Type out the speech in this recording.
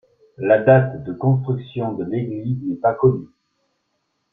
La date de construction de l'église n'est pas connue.